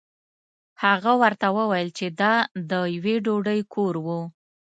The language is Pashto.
هغه ورته وویل چې دا د یوې بوډۍ کور و.